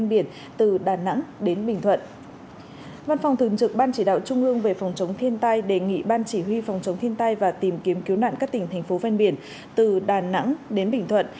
văn phòng thường trực ban chỉ đạo trung ương về phòng chống thiên tai đề nghị ban chỉ huy phòng chống thiên tai và tìm kiếm cứu nạn các tỉnh thành phố ven biển từ đà nẵng đến bình thuận